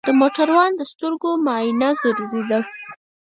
د موټروان د سترګو معاینه ضروري ده.